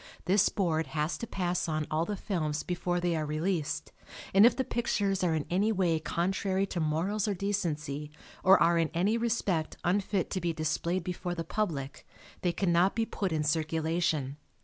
This board has to pass on all the films before they are released and if the pictures are in any way contrary to morals or decency or are in any respect unfit to be displayed before the public, they cannot be put in circulation.